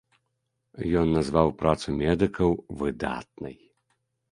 Ён назваў працу медыкаў выдатнай.